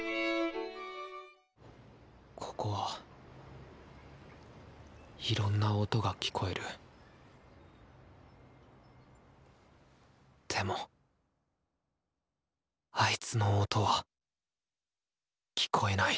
ここはいろんな音が聴こえるでもあいつの音は聴こえない